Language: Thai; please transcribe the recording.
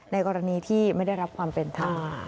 ในกรณีที่ไม่ได้รับความเป็นธรรม